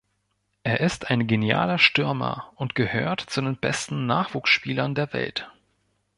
Er ist ein genialer Stürmer und gehört zu den besten Nachwuchsspielern der Welt.